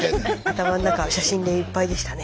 頭の中は写真でいっぱいでしたね。